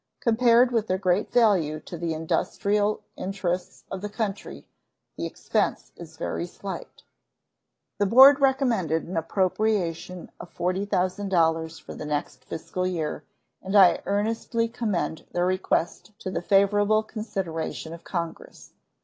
Compared with their great value to the industrial interests of the country, the expense is very slight. The board recommend an appropriation of $40,000 for the next fiscal year, and I earnestly commend their request to the favorable consideration of Congress.